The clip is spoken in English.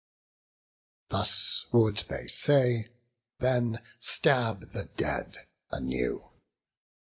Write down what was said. Thus would they say, then stab the dead anew.